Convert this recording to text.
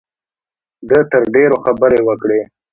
ده تر ډېرو خبرې وکړې.